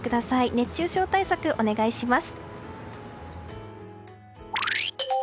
熱中症対策お願いします。